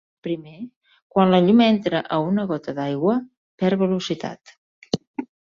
Primer, quan la llum entra a una gota d'aigua, perd velocitat.